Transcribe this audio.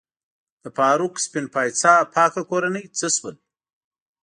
د فاروق سپین پایڅه پاکه کورنۍ څه شول؟